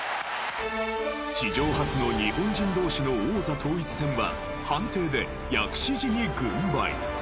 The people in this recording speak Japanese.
史上初の日本人同士の王座統一戦は判定で薬師寺に軍配。